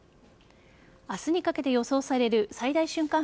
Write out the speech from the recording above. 明日にかけて予想される最大瞬間